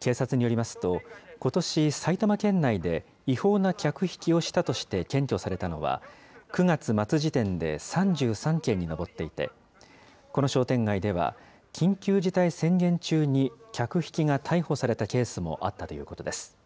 警察によりますと、ことし、埼玉県内で違法な客引きをしたとして検挙されたのは、９月末時点で３３件に上っていて、この商店街では、緊急事態宣言中に客引きが逮捕されたケースもあったということです。